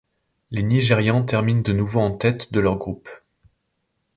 Les Nigérians terminent de nouveau en tête de leur groupe.